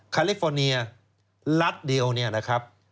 คาลิฟอร์เนียรัฐเดียวเนี่ยนะครับ